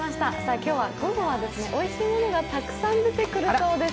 今日は午後はおいしいものがたくさん出てくるそうです。